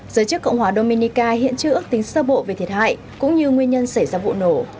giới chức cộng hòa dominica hiện chưa ước tính sơ bộ về thiệt hại cũng như nguyên nhân xảy ra vụ nổ